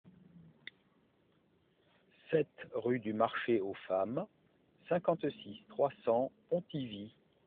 sept rue du Marché aux Femmes, cinquante-six, trois cents, Pontivy